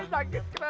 aduh sakit kenapa